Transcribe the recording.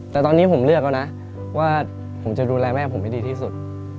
แต่ตอนนี้ผมเลือกแล้วนะว่าผมจะดูแลแม่ผมให้ดีที่สุด